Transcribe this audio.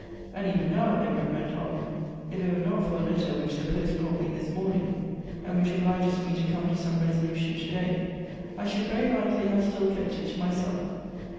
"And even now," Edward went on, "if it were not for a letter which the post brought me this morning, and whicli obliges me to come to some resolution to day, I should very likely have still kept it to myself."